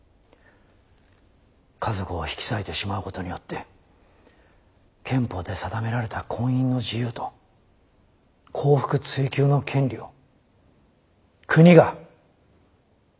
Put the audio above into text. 家族を引き裂いてしまうことによって憲法で定められた婚姻の自由と幸福追求の権利を国が個人から奪うことができるのかを問うものです。